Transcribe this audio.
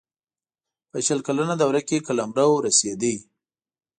په شل کلنه دوره کې قلمرو رسېدی.